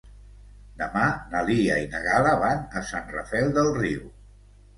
Demà na Lia i na Gal·la van a Sant Rafel del Riu.